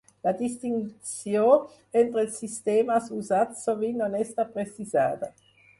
La distinció entre els sistemes usats sovint no està precisada.